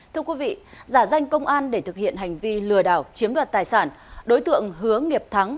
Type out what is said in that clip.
thưa quý vị giả danh công an để thực hiện hành vi lừa đảo chiếm đoạt tài sản đối tượng hứa nghiệp thắng